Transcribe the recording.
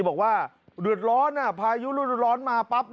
บอกว่าเดือดร้อนพายุรูดร้อนมาปั๊บ